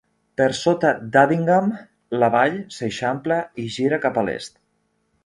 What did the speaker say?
Per sota d'Addingham, la vall s'eixampla i gira cap a l'est.